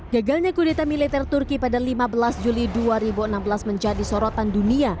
gagalnya kudeta militer turki pada lima belas juli dua ribu enam belas menjadi sorotan dunia